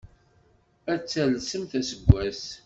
Ad talsemt aseggas!